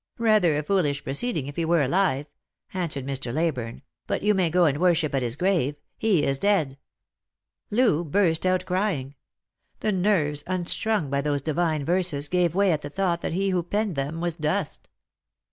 Rather a foolish proceeding, if he were alive," answered Mr. Leyburne ;" but you may go and worship at his grave. He is dead." Loo burst out crying. The nerves, unstrung by those divine verses, gave way at the thought that he who penned them was dust.